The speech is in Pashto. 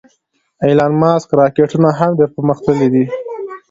د ایلان ماسک راکټونه هم ډېر پرمختللې دې